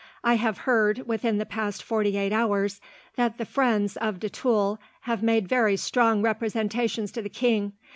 I have heard, within the past forty eight hours, that the friends of de Tulle have made very strong representations to the king.